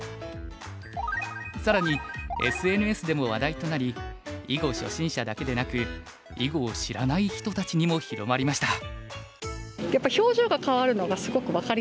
更にＳＮＳでも話題となり囲碁初心者だけでなく囲碁を知らない人たちにも広まりました。